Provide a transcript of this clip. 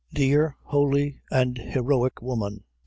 Dear, holy, and heroic woman!